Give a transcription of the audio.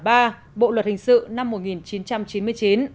bộ luật hình sự năm một nghìn chín trăm chín mươi chín